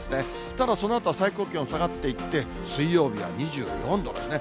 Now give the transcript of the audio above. ただ、そのあとは最高気温、下がっていって、水曜日は２４度ですね。